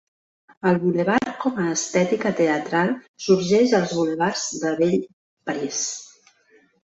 El bulevard com a estètica teatral sorgeix als bulevards de vell París.